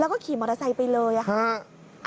แล้วก็ขี่มอเตอร์ไซค์ไปเลยค่ะ